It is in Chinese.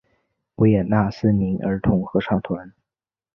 维也纳森林儿童合唱团。